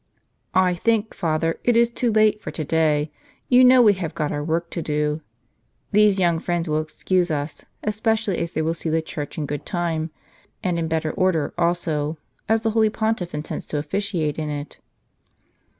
"I think, father, it is too late for to day; you know we have got our work to do. These young friends will excuse us, especially as they will see the church in good time, and in better order also, as the holy Pontiff intends to officiate in it."